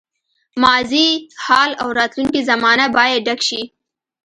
ماضي، حال او راتلونکې زمانه باید ډک شي.